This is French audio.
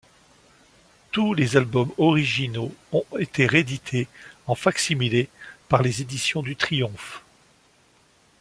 Tous les albums originaux ont été réédités en fac-similé par les Éditions du Triomphe.